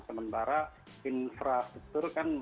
sementara infrastruktur kan